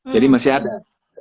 jadi masih ada